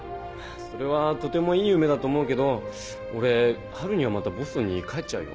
それはとてもいい夢だと思うけど俺春にはまたボストンに帰っちゃうよ？